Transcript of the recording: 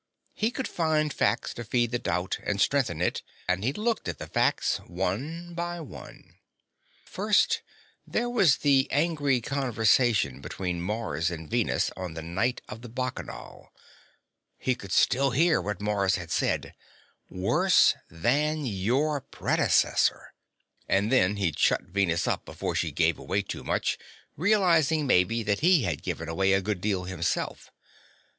He could find facts to feed the doubt and strengthen it, and he looked at the facts one by one: First there was the angry conversation between Mars and Venus, on the night of the Bacchanal. He could still hear what Mars had said: "... worse than your predecessor." And then he'd shut Venus up before she gave away too much realizing, maybe, that he had given away a good deal himself.